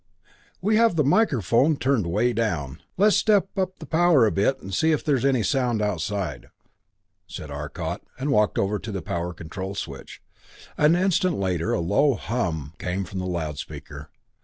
"We have the microphone turned way down. Let's step up the power a bit and see if there are any sounds outside," said Arcot and walked over to the power control switch. An instant later a low hum came from the loudspeaker.